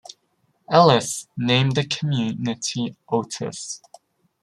Ellis named the community Otis.